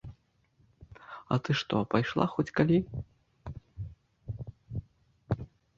А ты што, пайшла хоць калі?